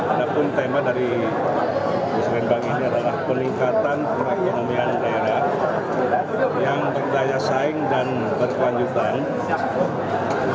ada pun tema dari bus rembang ini adalah peningkatan perekonomian daerah yang berdaya saing dan berkelanjutan